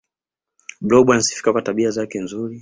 blob anasifika kwa tabia zake nzuri